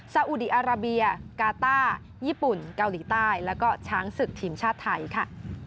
อุดีอาราเบียกาต้าญี่ปุ่นเกาหลีใต้แล้วก็ช้างศึกทีมชาติไทยค่ะ